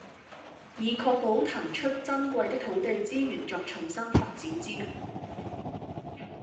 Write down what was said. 以確保騰出珍貴的土地資源作重新發展之用